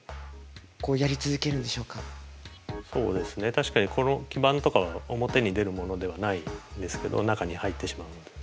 確かにこの基板とかは表に出るものではないですけど中に入ってしまうので。